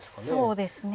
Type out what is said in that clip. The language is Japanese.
そうですね。